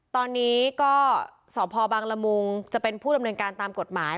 ตอนนี้ก็สอบพอบรางรมุมจะเป็นผู้รำเรนการตามกฎหมาย